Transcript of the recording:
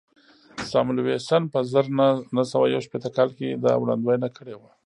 ساموېلسن په زر نه سوه یو شپېته کال کې دا وړاندوینه کړې وه